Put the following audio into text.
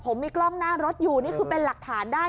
ผมมีกล้องหน้ารถอยู่นี่คือเป็นหลักฐานได้